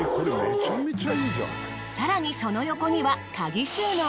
更にその横には鍵収納。